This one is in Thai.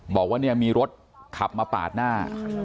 บอกว่าเนี่ยมีรถขับมาปาดหน้า